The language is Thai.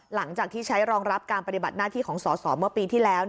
หลังจากที่ใช้รองรับการปฏิบัติหน้าที่ของสอสอเมื่อปีที่แล้ว